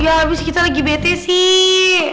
ya abis kita lagi bete sih